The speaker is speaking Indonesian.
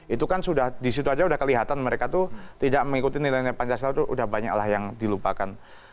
itu kan sudah disitu aja udah kelihatan mereka tuh tidak mengikuti nilai nilai pancasila itu sudah banyaklah yang dilupakan